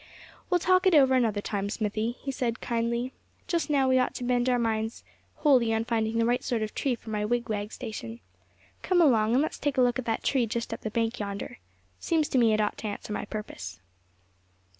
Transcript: "We'll talk it over another time, Smithy," he said, kindly. "Just now we ought to bend our minds wholly on finding the right sort of tree for my wigwag station. Come along, and let's take a look at that tree just up the bank yonder. Seems to me it ought to answer my purpose."